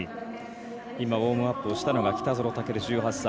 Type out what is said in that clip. ウォームアップしたのが北園丈琉、１８歳。